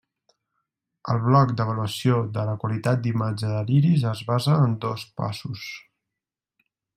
El bloc d'avaluació de la qualitat d'imatge de l'iris es basa en dos passos.